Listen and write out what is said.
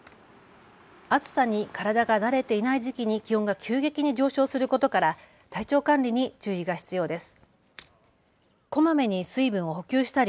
暑さに体が慣れていない時期に気温が急激に上昇することから体調管理に注意が必要です。